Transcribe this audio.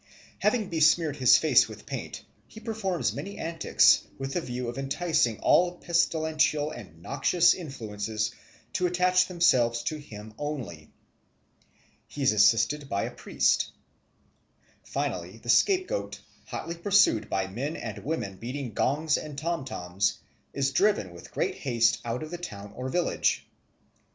Having besmeared his face with paint, he performs many antics with the view of enticing all pestilential and noxious influences to attach themselves to him only. He is assisted by a priest. Finally the scapegoat, hotly pursued by men and women beating gongs and tom toms, is driven with great haste out of the town or village.